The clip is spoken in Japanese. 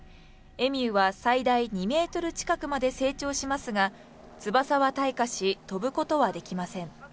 エミューは最大２ｍ近くまで成長しますが、翼が退化し、飛ぶことはできません。